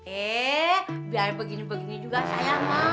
eh biar begini begini juga sayang ma